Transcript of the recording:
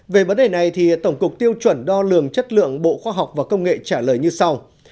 về vấn đề này tổng cục tiêu chuẩn đo lường chất lượng bộ khoa học và công nghệ trả lời như sau